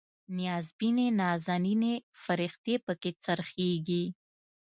نیازبینې نازنینې فرښتې پکې خرڅیږي